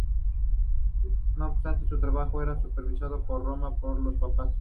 No obstante, su trabajo era supervisado desde Roma por los papas.